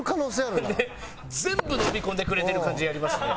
全部のみ込んでくれてる感じありますね。